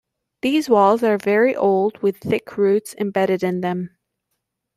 These walls are very old with thick roots embedded in them.